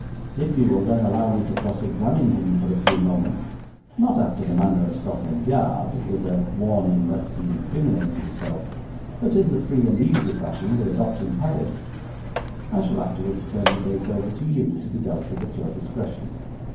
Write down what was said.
If you will then allow me to cross examine him for a few moments, not after the manner of Scotland Yard, with a warning lest he incriminate himself, but in the free and easy fashion we adopt in Paris, I shall afterwards turn the case over to you to be dealt with at your discretion.'